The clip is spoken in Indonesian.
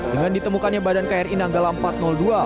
dengan ditemukannya badan kri nanggala empat ratus dua